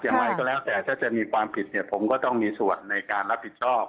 อย่างไรก็แล้วแต่ถ้าจะมีความผิดเนี่ยผมก็ต้องมีส่วนในการรับผิดชอบ